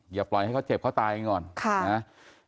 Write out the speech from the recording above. อย่าปล่อยให้เขาเจ็บเขาตายกันก่อนนะ